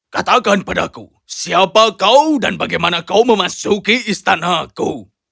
katakan padaku siapa kau dan bagaimana kau memasuki istanaku